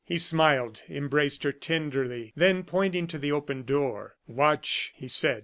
He smiled, embraced her tenderly, then, pointing to the open door: "Watch!" he said.